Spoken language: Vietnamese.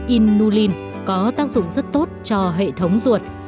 inulin có tác dụng rất tốt cho hệ thống ruột